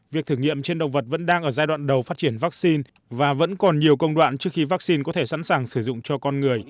việc thử nghiệm trên động vật vẫn đang ở giai đoạn đầu phát triển vaccine và vẫn còn nhiều công đoạn trước khi vaccine có thể sẵn sàng sử dụng cho con người